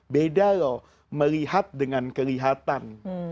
beda loh melihat dengan kelihatan